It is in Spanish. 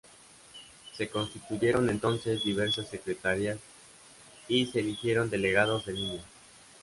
Se constituyeron entonces diversas secretarías y se eligieron Delegados de Línea.